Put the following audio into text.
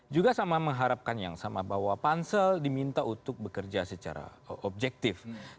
juga sama mengharapkan yang sama bahwa pansel diminta untuk bekerja secara objektif